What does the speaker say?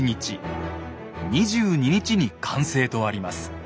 ２２日に完成とあります。